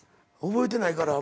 覚えてないから。